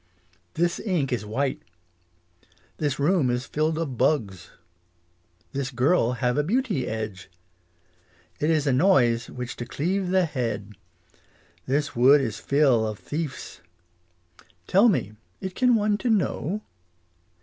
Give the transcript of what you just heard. This ink is white. This room is filled of bugs. This girl have a beauty edge. It is a noise which to cleave the head. This wood is fill of thief's. Tell me, it can one to know